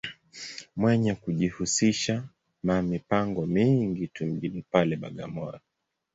Mwenye kujihusisha ma mipango mingi tu mjini pale, Bagamoyo.